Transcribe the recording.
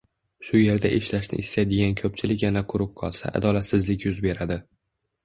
shu yerda ishlashni istaydigan ko‘pchilik yana «quruq qolsa» — adolatsizlik yuz beradi.